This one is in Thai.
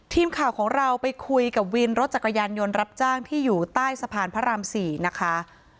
ทีมข่าวของเราไปคุยกับวินรถจักรยานยนต์รับจ้างที่อยู่ใต้สะพานพระราม๔นะคะ